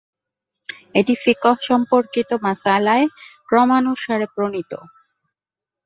এটি ফিকহ সম্পর্কিত মাসআলায় ক্রমানুসারে প্রণীত।